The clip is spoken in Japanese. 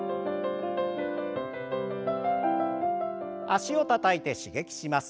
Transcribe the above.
脚をたたいて刺激します。